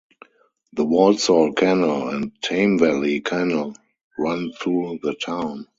The Walsall Canal and Tame Valley canal run through the town.